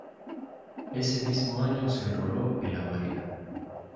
Ese mismo año se enroló en la Marina.